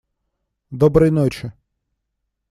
Доброй ночи.